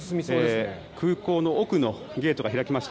空港の奥のゲートが開きました。